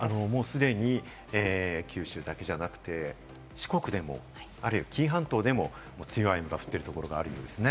すでに九州だけじゃなくて、四国でも、紀伊半島でも、強い雨が降っているところがあるんですね。